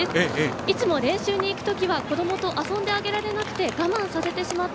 いつも練習に行く時は子どもと遊んであげられなくて我慢させてしまった。